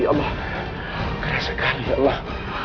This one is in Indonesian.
ya allah keras sekali ya allah